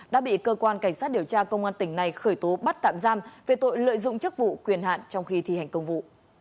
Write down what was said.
đã bị cơ quan cảnh sát điều tra công an tỉnh này khởi tố bắt tạm giam về tội lợi dụng chức vụ quyền hạn trong khi thi hành công vụ